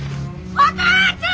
お父ちゃん！